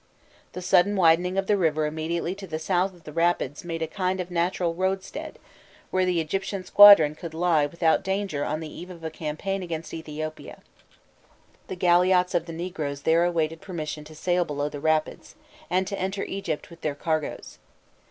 The sudden widening of the river immediately to the south of the rapids made a kind of natural roadstead, where the Egyptian squadron could lie without danger on the eve of a campaign against Ethiopia; the galiots of the negroes there awaited permission to sail below the rapids, and to enter Egypt with their cargoes.